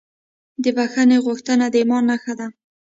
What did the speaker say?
د بښنې غوښتنه د ایمان نښه ده.